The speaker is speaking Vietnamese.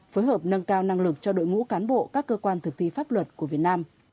phối hợp nâng cao năng lực cho đội ngũ cán bộ các cơ quan thực thi pháp luật của việt nam